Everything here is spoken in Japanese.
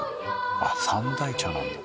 あっ三大茶なんだ。